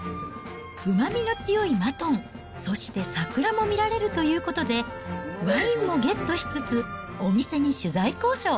うまみが強いマトン、そして桜も見られるということで、ワインもゲットしつつ、お店に取材交渉。